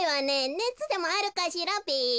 ねつでもあるかしらべ。